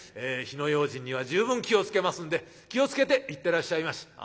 火の用心には十分気を付けますんで気を付けて行ってらっしゃいまし」。